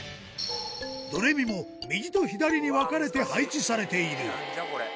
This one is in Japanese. ドレミも、右と左に分かれて配置されている。